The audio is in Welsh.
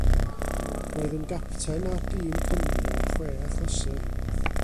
Roedd yn gapten ar dîm Cymru ar chwe achlysur.